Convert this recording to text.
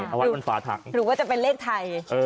อ่าหรือว่าจะเป็นเลขไทย